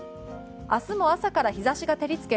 明日も朝から日差しが照り付け